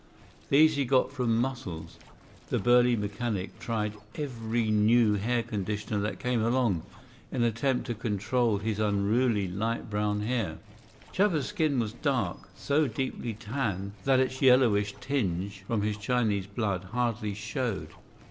These he got from Muscles. The burly mechanic tried every new hair conditioner that came along, in an attempt to control his unruly light brown hair. Chuba's skin was dark, so deeply tanned that its yellowish tinge from his Chinese blood hardly showed.